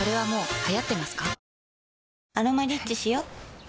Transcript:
コリャ「アロマリッチ」しよ